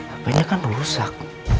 apanya kan rusak